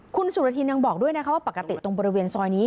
คุณสุรทินยังบอกด้วยนะคะว่าปกติตรงบริเวณซอยนี้